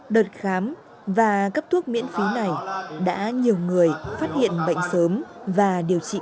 đợt khám và cấp thuốc miễn phí này đã nhiều người phát hiện bệnh sớm và điều trị